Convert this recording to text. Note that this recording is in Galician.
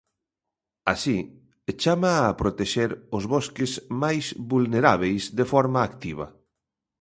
Así, chama a protexer os bosques máis vulnerábeis de forma activa.